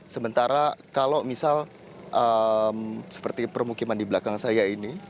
sementara kalau misal seperti permukiman di belakang saya ini